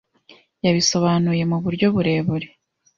Yabisobanuye mu buryo burebure